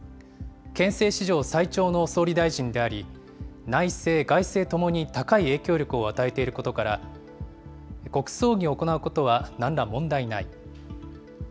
憲政史上最長の総理大臣であり、内政外政ともに高い影響力を与えていることから、国葬儀を行うことはなんら問題ない。